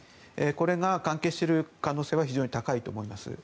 これが関係している可能性は非常に高いと思います。